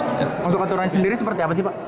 untuk aturan sendiri seperti apa sih pak